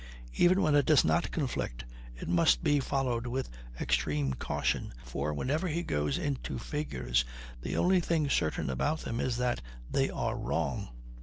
Even when it does not conflict, it must be followed with extreme caution, for whenever he goes into figures the only thing certain about them is that they are wrong.